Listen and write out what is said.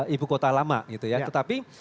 ibu kota lama tetapi